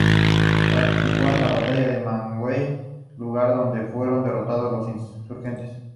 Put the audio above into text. Participó en la batalla del Maguey, lugar en donde fueron derrotados los insurgentes.